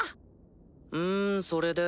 ふんそれで？